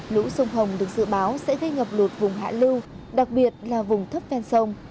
lũ sông hồng được dự báo sẽ gây ngập lụt vùng hạ lưu đặc biệt là vùng thấp ven sông